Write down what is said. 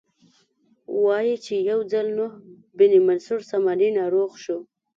وایي چې یو ځل نوح بن منصور ساماني ناروغ شو.